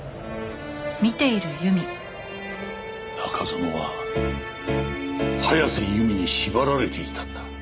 中園は早瀬由美に縛られていたんだ。